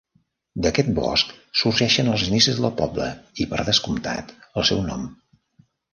D'aquest bosc sorgeixen els inicis del poble, i per descomptat el seu nom.